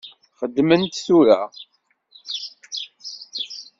Xedmemt-t tura.